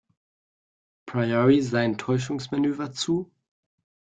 Priory sein Täuschungsmanöver zu.